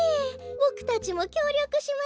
ボクたちもきょうりょくしますよ。